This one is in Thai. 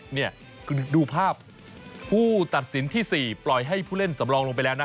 นี่คุณดูภาพผู้ตัดสินที่๔ปล่อยให้ผู้เล่นสำรองลงไปแล้วนะ